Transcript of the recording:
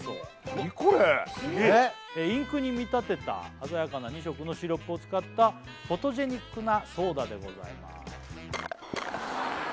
何これすげえインクに見立てた鮮やかな２色のシロップを使ったフォトジェニックなソーダでございます